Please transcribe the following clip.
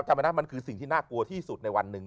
มันคือสิ่งที่น่ากลัวที่สุดในวันหนึ่ง